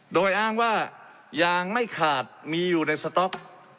โดยอ้างว่ายางไม่ขาดมีอยู่ในสต๊อก